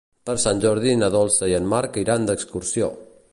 Per Sant Jordi na Dolça i en Marc iran d'excursió.